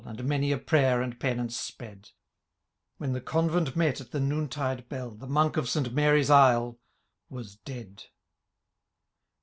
And many a prayer and penance sped ; When the convent met at the noontide bell — The Monk of St Mary*s aisle was dead